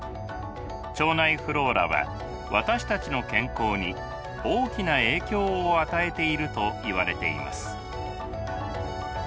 腸内フローラは私たちの健康に大きな影響を与えているといわれています。